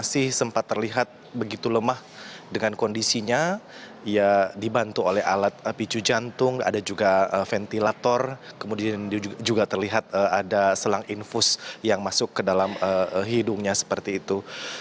masih sempat terlihat begitu lemah dengan kondisinya ya dibantu oleh alat picu jantung ada juga ventilator kemudian juga terlihat ada selang infus yang masuk ke dalam hidungnya seperti itu